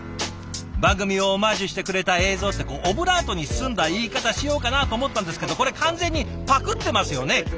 番組をオマージュしてくれた映像ってオブラートに包んだ言い方しようかなと思ったんですけどこれ完全にパクってますよね？